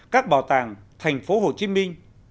các bảo tàng thành phố hồ chí minh